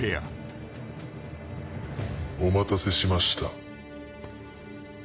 お待たせしました。